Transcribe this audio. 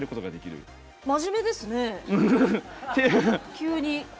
真面目ですね、急に。